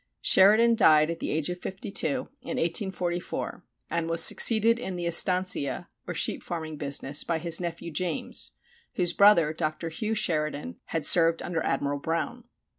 Sheridan died at the age of 52, in 1844, and was succeeded in the estancia or sheep farming business by his nephew, James, whose brother Dr. Hugh Sheridan had served under Admiral Brown.